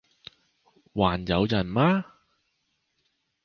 還有人嗎？